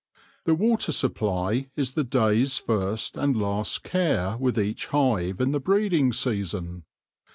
The water supply is the day's first and last care with each hive in the breeding season.